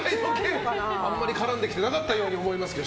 あんまり絡んできてないように思えますけど。